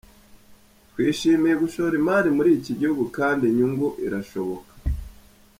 Twishimiye gushora imari muri iki gihugu kandi inyungu irashoboka.